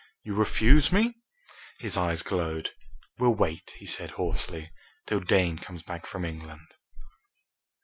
"You refuse me?" His eyes glowed. "We'll wait," he said hoarsely, "till Dane comes back from England!"